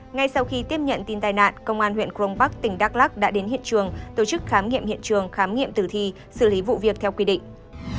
ngay sau khi tiếp nhận tin tai nạn công an huyện crong park tỉnh đắk lắc đã đến hiện trường tổ chức khám nghiệm hiện trường khám nghiệm tử thi xử lý vụ việc theo quy định